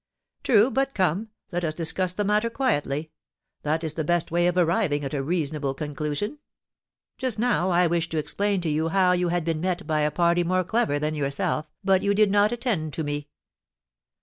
"True; but, come, let us discuss the matter quietly; that is the best way of arriving at a reasonable conclusion. Just now, I wish to explain to you how you had been met by a party more clever than yourself, but you did not attend to me."